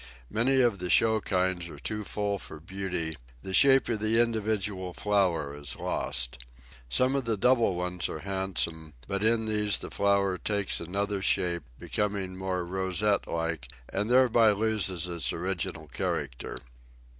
Many of the show kinds are too full for beauty; the shape of the individual flower is lost. Some of the double ones are handsome, but in these the flower takes another shape, becoming more rosette like, and thereby loses its original character.